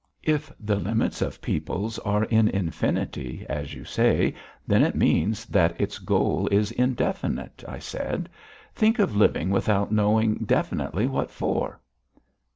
"If the limits of peoples are in infinity, as you say, then it means that its goal is indefinite," I said. "Think of living without knowing definitely what for!"